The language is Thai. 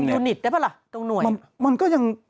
ตรงยูนิตได้ป่ะล่ะตรงหน่วย